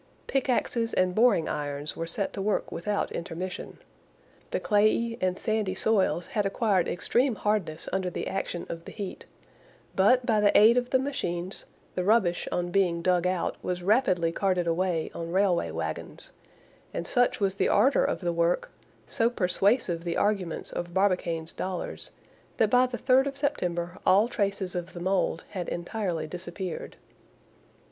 Pickaxes and boring irons were set to work without intermission. The clayey and sandy soils had acquired extreme hardness under the action of the heat; but, by the aid of the machines, the rubbish on being dug out was rapidly carted away on railway wagons; and such was the ardor of the work, so persuasive the arguments of Barbicane's dollars, that by the 3rd of September all traces of the mould had entirely disappeared.